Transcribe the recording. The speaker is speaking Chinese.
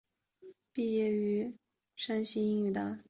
毕业于山西大学英语。